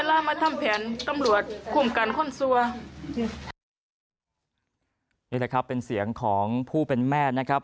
นี่แหละครับเป็นเสียงของผู้เป็นแม่นะครับ